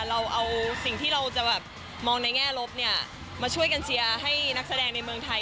เราเอาสิ่งที่เราจะแบบมองในแง่ลบมาช่วยกันเชียร์ให้นักแสดงในเมืองไทย